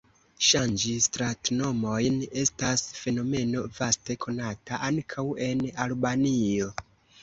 Ŝanĝi stratnomojn estas fenomeno vaste konata, ankaŭ en Albanio.